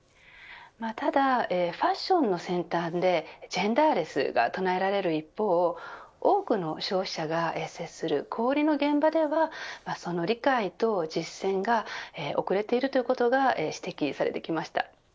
ただファッションの先端でジェンダーレスが唱えられる一方多くの消費者が接する小売りの現場ではその理解と実践が遅れていることが指摘されてきました。